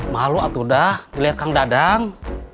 malu atuh dah lihat kang dadang